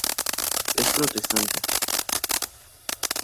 Es protestante.